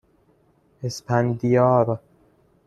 اِسپندیار